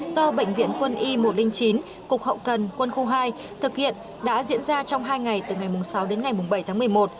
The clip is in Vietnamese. do bệnh viện quân y một trăm linh chín cục hậu cần quân khu hai thực hiện đã diễn ra trong hai ngày từ ngày sáu đến ngày bảy tháng một mươi một